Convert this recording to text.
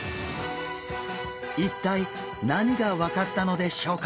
一体何が分かったのでしょうか？